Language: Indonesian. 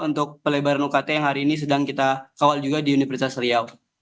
untuk pelebaran ukt yang hari ini sedang kita kawal juga di universitas riau